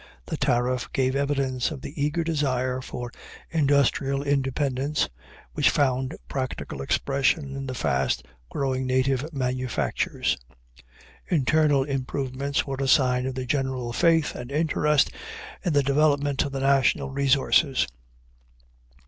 The tariff gave evidence of the eager desire for industrial independence, which found practical expression in the fast growing native manufactures. Internal improvements were a sign of the general faith and interest in the development of the national resources.